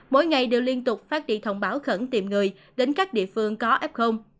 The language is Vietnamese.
mỗi ngày đều liên tục phát đi thông báo khẩn tìm người đến các địa phương có f